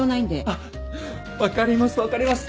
あっ分かります分かります。